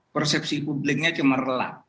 persepsi publiknya cemerlang